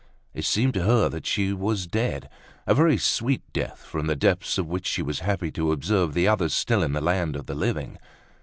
It seemed to her that she was dead, a very sweet death, from the depths of which she was happy to observe the others still in the land of the living.